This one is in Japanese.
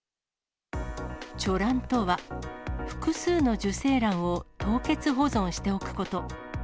貯卵とは、複数の受精卵を凍結保存しておくこと。